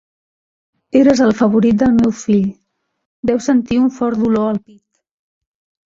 Eres el favorit del meu fill, deus sentir un fort dolor al pit.